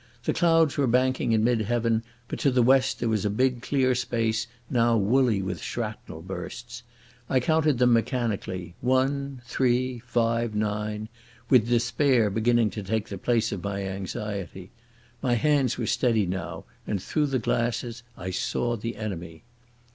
The clouds were banking in mid heaven, but to the west there was a big clear space now woolly with shrapnel bursts. I counted them mechanically—one—three—five—nine—with despair beginning to take the place of my anxiety. My hands were steady now, and through the glasses I saw the enemy.